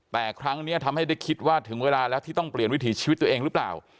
แต่ครั้งนี้ทำให้ได้คิดว่าถึงเวลาแล้วที่ต้องเปลี่ยนวิถีชีวิตตัวเองหรือเปล่า